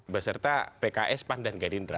beserta pks pandan gadindra